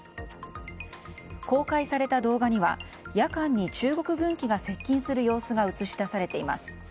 公開された動画には夜間に中国軍機が接近する様子が映し出されています。